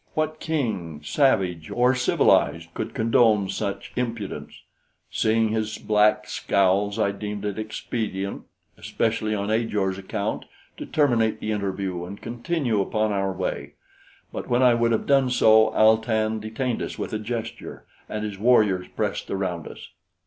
What king, savage or civilized, could condone such impudence? Seeing his black scowls, I deemed it expedient, especially on Ajor's account, to terminate the interview and continue upon our way; but when I would have done so, Al tan detained us with a gesture, and his warriors pressed around us.